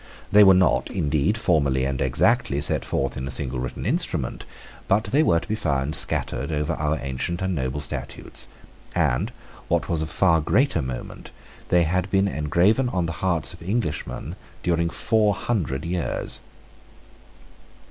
They were not, indeed, formally and exactly set forth in a single written instrument; but they were to be found scattered over our ancient and noble statutes; and, what was of far greater moment, they had been engraven on the hearts of Englishmen during four hundred years.